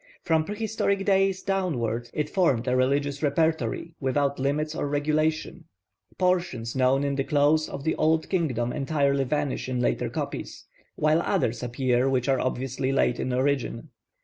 From prehistoric days downward it formed a religious repertory without limits or regulation. Portions known in the close of the old kingdom entirely vanish in later copies, while others appear which are obviously late in origin.